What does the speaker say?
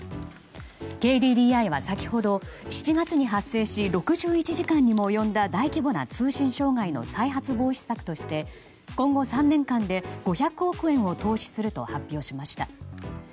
ＫＤＤＩは先ほど、７月に発生し６１時間にも及んだ大規模な通信障害の再発防止策として、今後３年間で５００億円を投資すると発表しました。